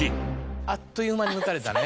あっという間に抜かれたね。